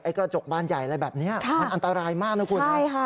กระจกบานใหญ่อะไรแบบนี้มันอันตรายมากนะคุณ